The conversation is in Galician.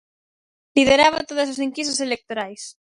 Lideraba todas as enquisas electorais.